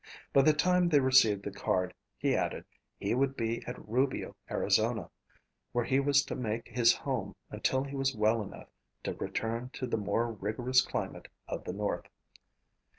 By the time they received the card, he added, he would be at Rubio, Arizona, where he was to make his home until he was well enough to return to the more rigorous climate of the north.